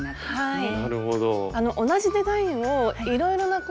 はい。